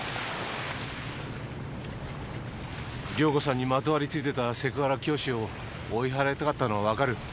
遼子さんにまとわりついてたセクハラ教師を追い払いたかったのはわかる。